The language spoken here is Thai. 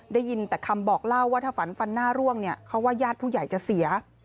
ได้ยินแต่คำบอกเล่าว่าถ้าฝันฟันหน้าร่วงเนี่ยเขาว่าญาติผู้ใหญ่จะเสีย